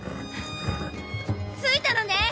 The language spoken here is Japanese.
着いたのね！